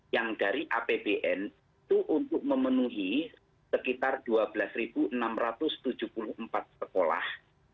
yang dari apbn itu untuk memenuhi sekitar dua belas enam ratus tujuh puluh empat sekolah